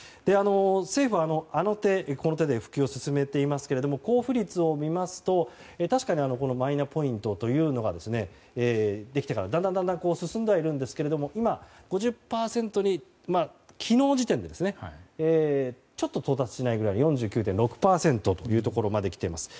政府は、あの手この手で普及を進めていますけれども交付率を見ますと確かにマイナポイントができてからだんだん進んではいるんですが今５０％に、昨日時点でちょっと到達しないくらい４９．６％まで来ています。